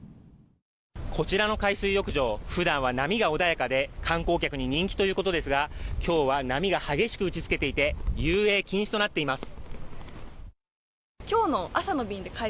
こちらの海水浴場ふだんは波が穏やかで観光客に人気ということですが、今日は波が激しく打ちつけていて遊泳禁止となっています。